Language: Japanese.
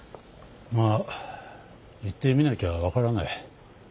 まあ行ってみなきゃ分からない。